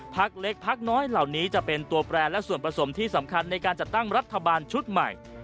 พักเล็กพักน้อยเหล่านี้จะเป็นตัวแปรและส่วนผสมที่สำคัญในการจัดตั้งรัฐบาลชุดใหม่